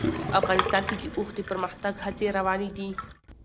افغانستان کې د اوښ د پرمختګ هڅې روانې دي.